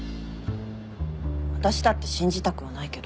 私だって信じたくはないけど。